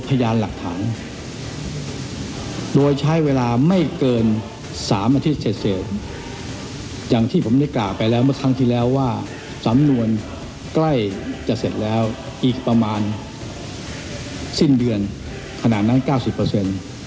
พยานหลักฐานโดยใช้เวลาไม่เกิน๓อาทิตย์เสร็จอย่างที่ผมได้กล่าวไปแล้วเมื่อครั้งที่แล้วว่าสำนวนใกล้จะเสร็จแล้วอีกประมาณสิ้นเดือนขนาดนั้นเก้าสิบเปอร์เซ็นต์